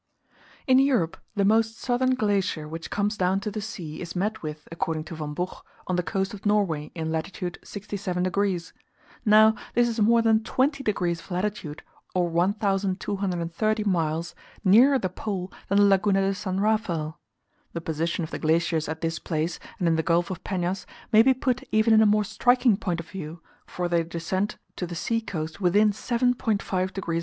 In Europe, the most southern glacier which comes down to the sea is met with, according to Von Buch, on the coast of Norway, in lat. 67 degs. Now, this is more than 20 degs. of latitude, or 1230 miles, nearer the pole than the Laguna de San Rafael. The position of the glaciers at this place and in the Gulf of Penas may be put even in a more striking point of view, for they descend to the sea coast within 7.5 degs.